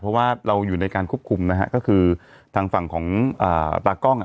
เพราะว่าเราอยู่ในการควบคุมนะฮะก็คือทางฝั่งของตากล้องอ่ะ